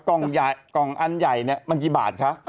กล่องอันใหญ่เนี่ยมันกี่บาทคะ